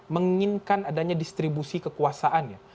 menginginkan adanya distribusi kekuasaan ya